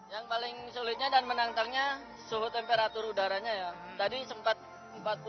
yang paling sulitnya dan menantangnya suhu temperatur udaranya ya